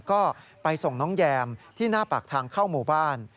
ก็ไปส่งน้องแยมที่หน้าปากทางเข้าหมู่บ้าน